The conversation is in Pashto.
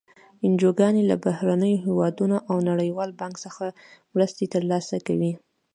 انجوګانې له بهرنیو هېوادونو او نړیوال بانک څخه مرستې تر لاسه کوي.